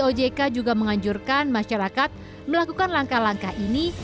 ojk juga menganjurkan masyarakat melakukan langkah langkah ini